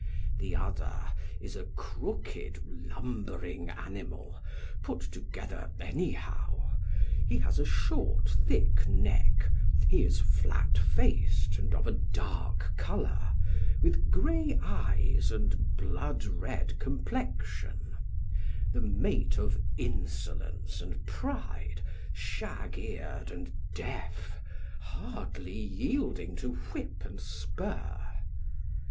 The other is a crooked lumbering animal, put together anyhow; he has a short thick neck; he is flat faced and of a dark colour, with grey eyes and blood red complexion (Or with grey and blood shot eyes.); the mate of insolence and pride, shag eared and deaf, hardly yielding to whip and spur.